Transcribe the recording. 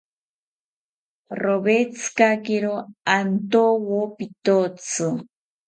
Rowetzikakiro antowo pitotzi